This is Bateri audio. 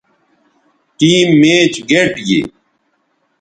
ٹیم میچ گئٹ گی